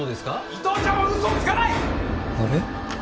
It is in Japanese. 伊藤ちゃんは嘘をつかないあれ？